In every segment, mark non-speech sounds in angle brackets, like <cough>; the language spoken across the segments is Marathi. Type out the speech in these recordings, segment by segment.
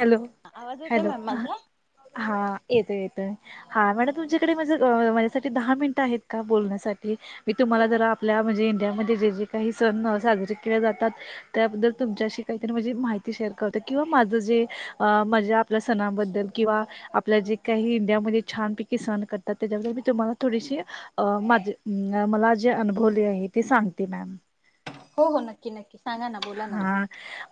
हॅलो आवाज येतोय हॅलो. मॅम माझा? हा येत येत हा मॅडम तुमच्याकडे म्हज माझ्यासाठी दहा मिनिटं आहेत का बोलण्यासाठी मी तुम्हाला जरा आपल्या म्हणजे जे जे काही सण साजर के जातात त्याबद्दल तुमच्याशी काहीतरीण माहिती शेअर करते. किंवा माझं जे अ माझ्या आपल्या सणाबद्दल किंवा आपल्या जे काही इंडियामध्ये छानपैकी सण क - - त्याच्याबदद्ल मी तुम्हाला थोडीशी अ माझी मला आज - - जे अनुभवले आहे ते सांगते मॅम. हो, हो. नक्की. नक्की सांगा ना बोला ना मॅम. हा,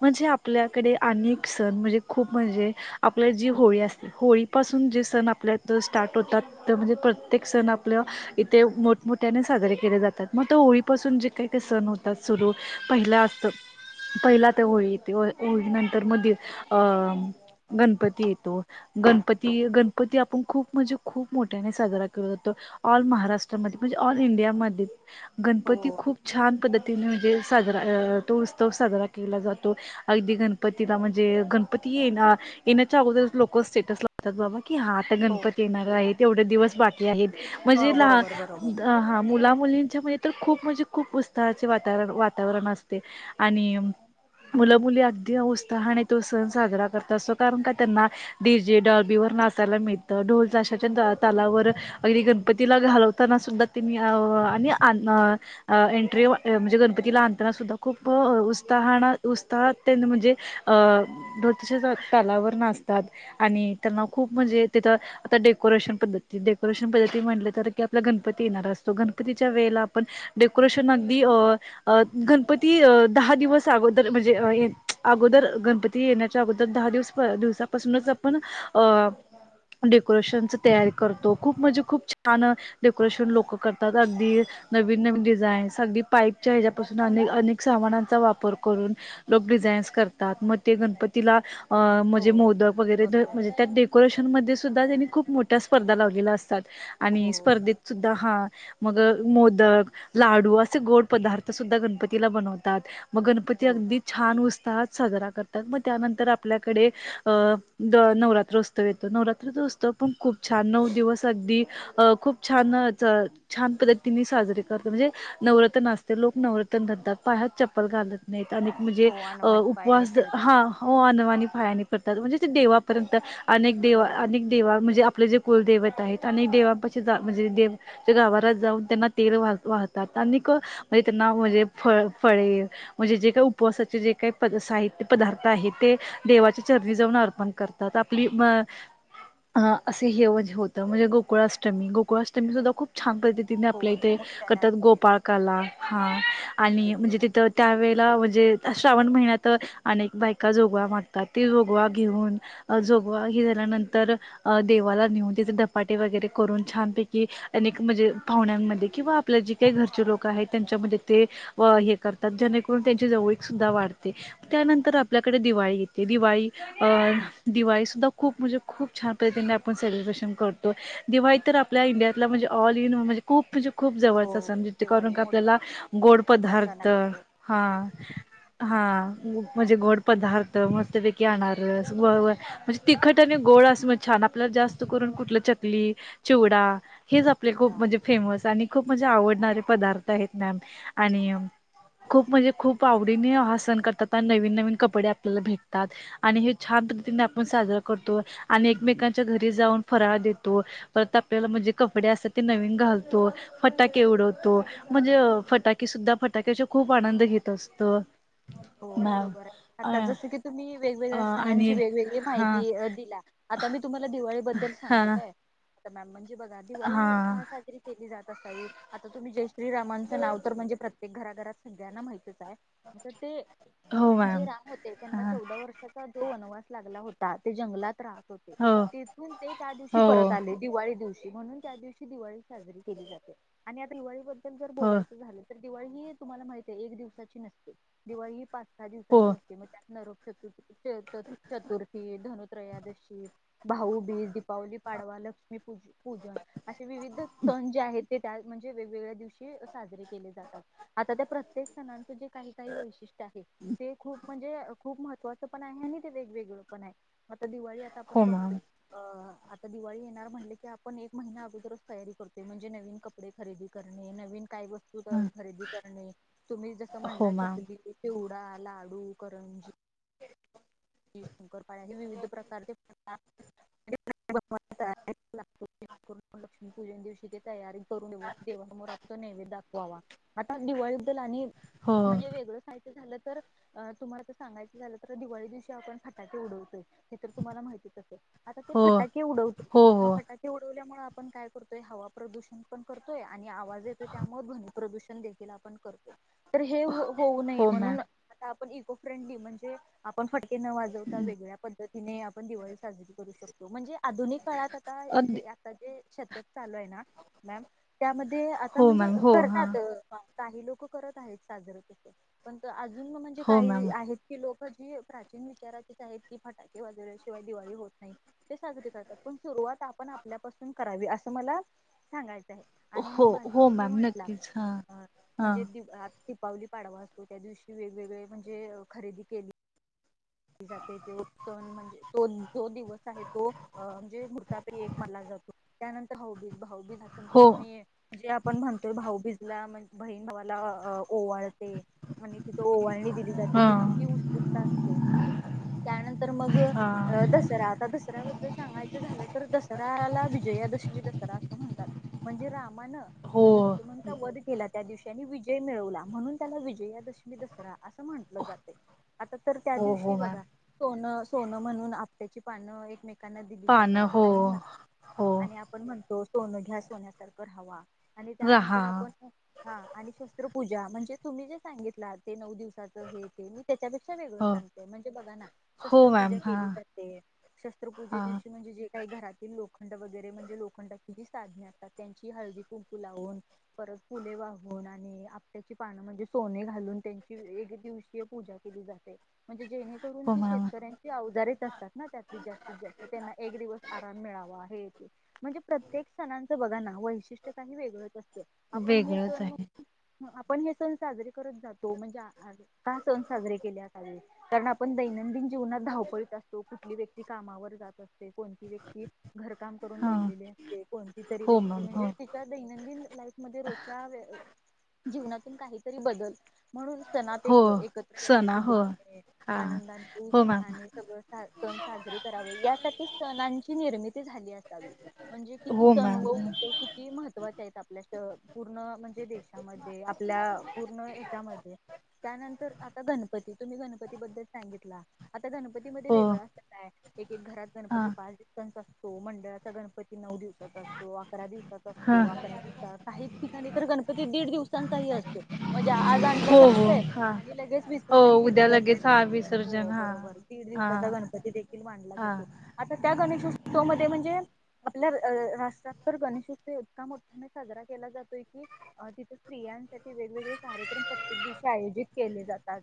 म्हणजे आपल्याकडे अनेक सण म्हणजे खूप म्हणजे आपल्या जी - - होळी असते होळीपासून जे सण आपल्यात स्टार्ट होतात, तर म्हणजे प्रत्येक सण आपल्या इथे - - मोठ - मोठ्याने साजरे के जातात. मग होळी पासून जे काही काही ते सण होतात सुरु पहिला - - त. पहिला तर होळी येते. होळी नंतर मध्ये अ गणपती येतो. गणपती, गणपती आपण खूप म्हणजे खूप मोठ्याने साजरा केला जातो. ऑल महाराष्ट्रामध्ये म्हणजे ऑल इंडियामध्ये हो गणपती खूप छान पद्धतीने म्हणजे साजरा तो उत्सव साजरा केला जातो. अगदी गणपतीला म्हणजे गणपती येनं येण्याच्या अगोदर लोक स्टेटस लावतात बाबा की हा आता हो गणपती येणार आहेत. तेवढे दिवस बाकी आहेत. हो म्हणजे ल हा बरोबर बरोबर अ हा मुला मुलींच्या मुळे - - तर खूप म्हणजे खूप उत्साहाचे वातावरण वातावरण असते आणि मुलं मुली अगदी उत्साहाने तो सण साजरा करत करतात कारण का त्यांना डजे डॉल्बी व - - नाचायला मिळत. ढोलशच्या तलावर अगदी गणपतीला घालवताना सुद्धा तेनि अ - - आणि आण अ एंट्री म्हणजे गणपतीला आणताना सुद्धा खूप उत्साहान उत्साहात म्हणजे <unintelligible> तालावर नाच तात आणि त्यांना खूप म्हणजे तिथं आता डेकोरेशन पद्धती डेकोरेशन पद्धती म्हटलं तर आपला गणपती येणार असतो. गणपतीच्या वेळेला आपण डेकोरेशन अगदी अ गं णपती दहा दिवस अगोदर म्हणजे ये अगोदर गणपती येण्याच्या अगोदर दहा दिवस - दिवसापासूनच आपण अ डेकोरेशनच तयारी करतो. खूप म्हणजे खूप छान डेकोरेशन लोक करतात. अगदी - - नवीन नवीन डिझाईन अगदी पाईपच्या ह्याच्यापासून अनेक - - अनेक सामानांचा वापर करून लोक डिझाईन्स करतात. मग ते गणपतीला - - अ हो म्हणजे मोदक वगैरे बरोबर म्हणजे त्यात डेकोरेशन मध्ये सुद्धा त्यांनी खूप मोठ्या स्पर्धा लावलेल्या अस तात हो आणि हो स्पर्धेत सुद्धा हा. मग मोदक, लाडू असे गोड पदार्थ सुद्धा गणपतीला बनवतात. मग गणपती हो अगदी छान उत्स - - हात साजरा करतात. मग त्यानंतर आपल्याकडे अ नवरात्रोत्सव येतो. नवरात्र उत्सव तर पण खूप छान नऊ दिवस अगदी - - अ खूप छान अ ज छान पद्धतीने साजरीे करत म्हणजे नवरत् असतं. लोक नवरतन धरतात. पायात चप्पल घालत नाहीत. अक म्हणजे हो अ अनवाणी पायाने उपवास - फिरतात -हो अनवानी - - पायांनी फिरतात, म्हणजे ते देवापर्यंत अनेक देव बरोबर अनेक देवा म्हणजे आप आपले जे कुलदैवत आहेत आणि देवांपाशी जा म्हणजे देव गाभात्यात जाऊन त्यांना तेल वाह वाहतात. अनिक म्हणजे त्यांना म्हणजे फळ फळे म्हणजे जे काही उपवासाचे जे काही पद साहित्य पदार्थ आहेत ते देवाचे चरणी जाऊन अर्पण करतात. आपली - - अ असे हेवजे होत म्हणजे गोकुळाष्टमी गोकुळा अष्टमी सुद्धा खूप छान पद्धतीने हो आपल्या इथे मोठ्याने करतात. असते गोपाळकाला हा. आणि म्हणजे बरोबर तिथं त्यावेळेला म्हजे - - श्रावण महिन्यात अनेक बायका जोगवा मागतात ते जोगवा घेऊन जोगवा हे झाल्या नं तर देवाला नेऊन तिथं धपाटे वगैरे करून छानपैकी अनेक म्हजे पाहुण्यांना किंवा आपल्या जे काही घरचे लोक आहेत त्यांच्यामध्ये ते - - व हे करतात. जेणेकरून त्यांचे जवळीकसुद्धा वाढते. त्यानंतर आपल्याकडे दिवाळी येते. दिवाळी अ दिवाळी सुद्धा खूप म्हणजे खूप छान पद्धतीने आपण सेलिब्रेशन करतो. दिवाळी तर - - आपल्या इंडियातला म्हणजे ऑल इन खुप खुप हो जवळचा सण कारण दिवाळी का मोठा आपल्याला गोड सण पदार्थ. आहे हां, हा. म्हणजे गोड पदार्थ मस्त पैकी अनारस म्हणजे तिखट आणि ग छान! आपल्या जास्त करून कुठल चकली, चिवडा हेच आपले खूप हो म्हणजे फेमस आणि खूप म्हणजे आवडणारे पदार्थ आहेत मॅम आणि खूप म्हणजे खूप आवडीने हा सण करतात, आणि नवीन नवीन कपडे आपल्याला भेटतात आणि हे छान पध्दतीने आपण साजरा करतो, आणि एकमेकांच्या घरी जाऊन फराळ देतो परत आपल्याला म्हणजे कपडे असतात ते नविन घालतो, फटाके उडवतो म्हणजे अ फटाके की सुद्धा फटाक्याच्या खूप आनंद घेत असतो. हो, मॅम बरोबर आहे अ आता जस की तुम्ही अ वेगवेगळ्या आणि सणांची वेगवेगळी हा माहिती अ दिला. आता मी तुम्हाला दिवाळीबद्दल हा सांगतो काय? आता मँम बघा हा दिवाळी का साजरी केली जात असावी? आता तुम्ही जयश्रीरामांचं नाव तर म्हणजे प्र ते घराघरात सगळ्यांना माहितच आहे. तर <unintelligible> हो जे मॅम राम होते, त्यांना हा चौदा वर्षाचा जो वनवास लागला होता ते जंगलात राहा हो तेथून ते त्या दिवशी हो परत आले, दिवाळी दिवशी म्हणून त्या दिवशी दिवाळी साजरी केली जाते, आणि दिवाळीबद्दल जर हो बोलायचं झालं तर? दिवाळी ही तुम्हाला माहिती आहे, एक दिवसाची नसते दिवाळी ही पाच सहा हो दिवसांची असते, मग त्यात नरक चतुर्थी चतुर्थी, धनत्रयोदशी भाऊबीज, दीपावली, पाडवा लक्ष्मी पू -पूजन असे विविध सण जे आहेत. ते त्या म्हणजे वेगवेगळ्या दिवशी साजरे केले जातात, आता त्या प्रत्येक सणांचं जे काही काही वैशिष्टय़ ते खूप म्हणजे- खूप महत्त्वाच पण आहे आणि ते वेगवेगळ पण आहे. तर दिवाळी आता हो आपण मॅम बघतोय. अ आता दिवाळी येणार म्हणले की आपण एक महिना अगोदरच तयारी करतोय. म्हणजे नवीन कपडे खरेदी करणे, नवीन काही वस्तू खरेदी करणे. तुम्ही जसं हो म्हणला मॅम चकली चिवडा, लाडू, करंजी शंकरपाळ्या. हे विविध प्रकारचे पदार्थ <unintelligible> लक्ष्मीपूजन दिवशी ते तयारी करून देवसमोर <unintelligible> तो नैवेद्य दाखवावा. आता दिवाळीबद्दल आणि हो म्हणजे वेगळं सा झालं तर. तुम्हाला जर सांगायचं झालं तर, दिवाळी दिवशी आपण फटाके उडवतोय हे तर तुम्हाला माहितीच असेल. आता ते हो फटाके उडवतो, हो मग हो फटाके उडवल्यामुळे आपण काय करतोय? हवा प्रदूषण पण करतोय आणि आवाज येतोय त्यामुळे ध्वनी प्रदूषण देखील आपण करतोय. तर हे होऊ नये हो म्हणून, आता आपण इको फ्रेंडली म्हणजे आपण फट न वाजवता वेगळ्या पद्धतीने आपण दिवाळी साजरी करू शकतो. म्हणजे आधुनिक काळात आता, मॅम जे आता जे शतक चालू आहे ना मॅम, त्यामध्ये आता हो म्हणजे मॅम हो हां करतात काही लोक करत आहेत साजरं तस. पण अजून म म्हणजे हो मॅम काही आहेत की लोक जी प्राचीन विचाराचेच आहेत की फटाके वाजरल्या शिवाय दिवाळी होत नाही, ते साजरी करतात. पण सुरुवात आपण आपल्यापासून करावी, असं मला सांगायचं आणि हो मग बाकी हो तुम्ही मॅम म्हंटला, नक्कीच हां हां म्हणजे दीपावली पाडवा असतो त्या दिवशी वेगवेगळे म्हणजे खरेदी केली ली जाते. तो सण म्हणजे तो जो दिवस आहे तो अ- म्हणजे मुर्तापे एक मानला जातो. त्यानंतर भाऊबीज, भाऊबीज त्यानंतर हो तुम्ही जे आपण म्हणतोय भाऊबीजला म्ह बहीण भावाला ओवाळते म्हणजे तिथं ओवाळणी दिली जाते, तर किती हां उत्सुकता असते. त्यानंतर, मग हां दसरा आता दसऱ्याबद्दल सांगायचं झालं तर दसराला विजया एकादशमी दसरा अस म्हणतात. म्हणजे रामान हो लक्ष्मणचा वध केला त्या दिवशी त्यांनी विजय मिळवला, म्हणून त्याला विजयादशमी दसरा असं म्हटलं जातयं आता तर त्या हो दिवशी हो मॅम बघा सोनं- सोनं म्हणून आपट्याची पानं एकमेक कांना दिली पानं जातात, हो आणि ह हो आणि आपण म्हणतो सोनं घ्या सोन्यासारखं राहावा. आणि रहा त्यानंतर आपण हा आणि शस्त्रपूजा म्हणजे तुम्ही जे सांगितला ते नऊ दिवस दिवसाचं हे ते मी त्याच्याप सगळं हो सांगते. म्हणजे बघा ना हो मॅम हां हां आधी लोखंड वगैरे म्हणजे लोखंड जी साधने असतात, त्यांची हळदी कुंकू लावून परत फुले वाहून आणि आपट्याची पान म्हणजे सोने घालून त्यांची एकदिवसीय पूजा केली जाते. म्हणजे जेणेकरून हो की मॅम शेतकऱ्यांची अवजारेच असतात ना, त्यातले जास्तीत जास्त. त्यांना एक दिवस आराम मिळावा हे म्हणजे प्रत्येक सणांचं बघा ना वैशिष्ट्य काही वेगळंच असतं आपण हे वेगळंच सण नु आहे आप पण हे सण साजरे करत जातो. म्हणजे का सण साजरे केल्या जाते. कारण आपण दैनंदिन जीवनात धावपळीत असतो, कुठली व्यक्ती कामावर जात असते. कोणती व्यक्ती घरकाम करून हां दमलेली असते. कोणती तरी हो व्यक्ती मॅम हो म्हणजे तिच्या दैनंदिन लाईफ मध्ये रोजच्या वे जीवनातून काहीतरी बदल म्हणून सणात हो एक एकत्र यावे सणा हो कुटुंबाने. हां आनंदाने, हो मॅम उत्साहाने सगळ सण साजरी करावे यासाठी सणांची निर्मिती झाली असावी. म्हणजे किती हो सण मॅम व उत्सव किती महत्त्वाचे आहेत आपल्यासाठी. आपल्या त पूर्ण म्हणजे देशामध्ये आपल्या पूर्ण हेच्यामध्ये त्यानंतर आता गणपती. तुम्ही गणपती बद्दल सांगितला, गणपतीमध्ये हो वेगळा असय काय, एक एक घरात हां गणपती पाच दिवसांचा असतो. मंडळाचा गणप पती नऊ दिवसाचा असतो, अकरा दिवसाचा असतो. हां अकरा दिवसा काही ठिकाणी तर गणपती दीड दिवसांचा चाही असतो. म्हणजे आज आणला हो हो जातोय हां आणि लगेच विस हो सर्जन केलं उद्या जातय. लगेच हा विसर्जन हां बरोबर दीड हां दिवसाचा गणपती देखील मांडला हां जातो. आता त्या गणेशोत्सवमध्ये म्हणजे आपल्या रा राष्ट्रात तर गणेशोत्सव इतका मोठ्याने साजरा केला जातोय की, अं तिथं स्त्री स्त्रियांसाठी वेगवेगळे कार्यक्रम प्रत्येक दिवशी आयोजित केले जातात.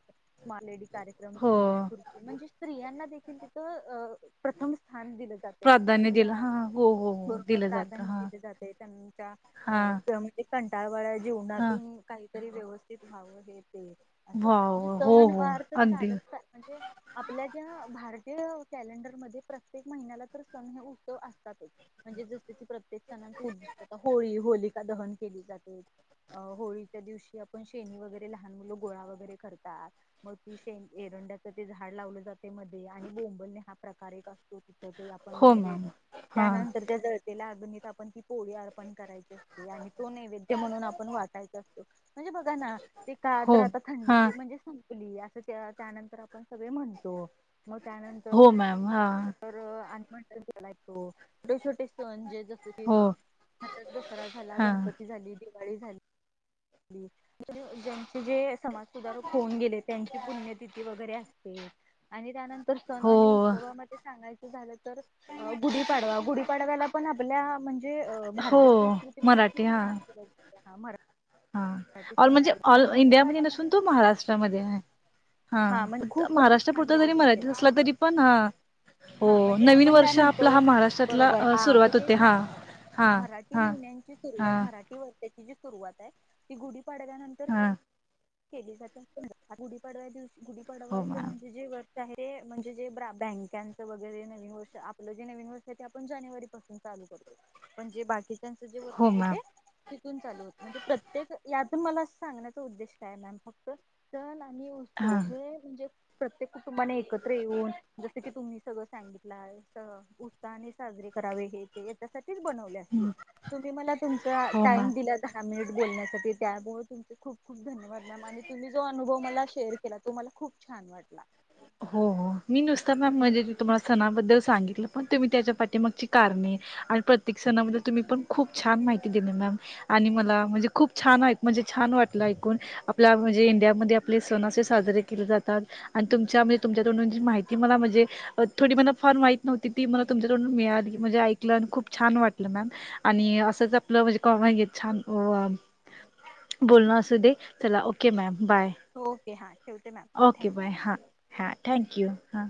मालेडी कार्यक्रम, हो संगीत खुर्ची. म्हणजे स्त्रियांना देखील तिथं अं प्रथम स्थान दिलं जात. प्राधान्य दिल. हा, होय. बरोबर प्राधान्य दिले जातेय. त्यांच्या हा अ स म्हणजे कंटाळवाड्या हा जीवनातून काहीतरी व्यवस्थित व्हावं. हे ते वाव म्हणजे हो सण हो वार तर अगदी चालत का म्हणजे आपल्या ज्या भारती तिय कॅलेंडरमध्ये प्रत्येक महिन्याला तर सण हे उत्सव अस तातच. म्हणजे जस की प्रत्येक सण उद्दिष्ट, आता होळी हो लिका दहन केली जाते. होळीच्या दिवशी आपण शेनी वगैरे लहान मुलं गोळा वगैरे करतात. मग ती शे एरंडाचे ते झाड लावले जाते मधे आणि बोंबलने हा प्रकार अ त तिथ ते आपण हो म्हणजे मॅम हा त्यानंतर त्या जळलेल्या अग्नीत आपण ती पोळी अर्पण करायची. असते, आणि तो नैवेद्य म्हणून आपण वाटायच असतो. म्हणजे बघा ना ते का? हो तर आता हा थंडी म्हणजे संपली असं त्यानंतर. आपण सगळे म्हणतो. म त्यानंतर हो मॅम हा आणि <unintelligible> म्हणजे जसं की हो आता दसरा झाला, हा गणपती झाली, दिवाळी दिवाळी झाली. म्हणजे ज्यांची सुदारक होऊन गेले त्यांची पुण्यतिथी वगैरे असते. आणि त्यानंतर सण हो आणि उत्सवा मध्ये सांगायचं झालं तर गुढीपाडवा. गुढीपाडव्याला पण आपल्या म्हणजे म्हणजे हो भारतीय संस्कृती मध्ये खूप मराठी हा छान परंपरा हा ऑल म्हणजे, ऑल इंडियामध्ये नसून तो महाराष्ट्रामध्ये आहे. हा हां, म्हणजे फक्त खूप असं स्थान महाराष्ट्रापुरता दिलं जरी जाते मर्यादित असला, तरी पण आं हा, म्हणजे आपण काय म्हणतो. महाराष्ट्रातला बरोबर, अ, हा मी सुरुवात तेच होते हा सांगायला लागलो. हा मराठी महिने न्यांची हा सुरुवात मराठी वर्षाची सुरुवात आहे, ती गुढीपाडवनंतर हा केली जाते असं म्हणता. गुढीव्या दिवशी गुढीपाडवा हो असं मॅम म्हणजे जे व र्ष आहे, म्हणजे जे बँकचं वगैरे नवीन वर्ष आपलं जे नवीन वर्ष आहे ते आपण जानेवारी पासून चा चालू करतो. पण जे बाकीच्यांचे जे वर्ष हो आहे मॅम ते तिथून चालू होत. म्हणजे प्रत्येक त्यात मला सांगण्याचा उद्देश काय मॅम फक्त सण आणि हा उत्सव हे म्हणजे प्रत्येक कुटुंबाने एकत्र येऊन जसं की तुम्ही सगळं सांगितलं उत्साहाने साजरे करावे हे याच्यासाठी बनवले असतील तुम्ही मला तुमचं हो मॅम दहा मिनिटं बोलायला दिल्याबद्दल धन्यवाद त्यामुळे तुम खूप खूप धन्यवाद मॅम आणि तुम्ही जो अनुभव मला शेअर केला तो मला खूप छान वाटला हो हो मी नुसता मॅम म्हणजे तुम्हाला सणाबद्दल सांगितलं पण तुम्ही त्याच्या पाठी मगची कारणे. प्रत्येक सणाबद्दल तुम्ही खूप छान माहिती दिली मॅम आणि मलाही खूप छान वाटले खूप छान वाटलं म्हणजे आपले इंडियामध्ये पण सण असे साजरी केले जातात तुमच्या म्हणजे तुमच्याकडून जी माहिती मला म्हणजे थोडी मला फार माहित नव्हती ती मला तुमकडून मिळाली. ऐकलं आणि खूप छान वाटलं आणि आपलं असंच कॉमन छान बोलण असू दे चला ओके मॅम बाय हो ओके हा ओके बाय हा हा थँक्यू हा